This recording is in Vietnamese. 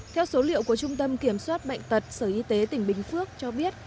theo số liệu của trung tâm kiểm soát bệnh tật sở y tế tỉnh bình phước cho biết